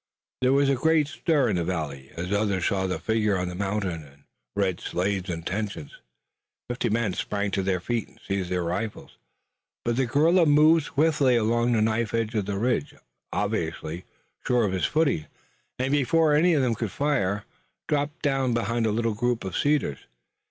There was a great stir in the valley, as others saw the figure on the mountain and read Slade's intentions. Fifty men sprang to their feet and seized their rifles. But the guerrilla moved swiftly along the knife edge of the ridge, obviously sure of his footing, and before any of them could fire, dropped down behind a little group of cedars.